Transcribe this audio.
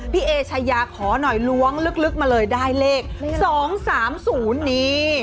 เอชายาขอหน่อยล้วงลึกมาเลยได้เลข๒๓๐นี่